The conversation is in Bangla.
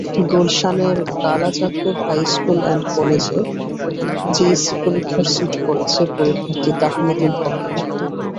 গুলশানের কালাচাঁদপুর হাইস্কুল অ্যান্ড কলেজে জেএসসি পরীক্ষার সিট পড়েছে পরীক্ষার্থী তাহমিদুল হকের।